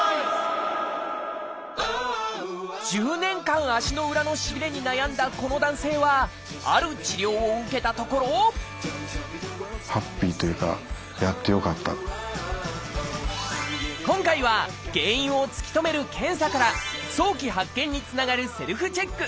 １０年間足の裏のしびれに悩んだこの男性はある治療を受けたところ今回は原因を突き止める検査から早期発見につながるセルフチェック。